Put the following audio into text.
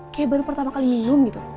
kayak baru pertama kali minum gitu